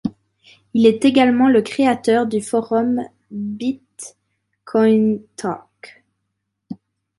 Il est également le créateur du forum bitcointalk.